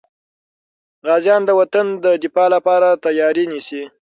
غازیان د وطن د دفاع لپاره تیاري نیسي.